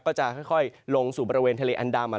ก็จะค่อยลงสู่บริเวณทะเลอันดามัน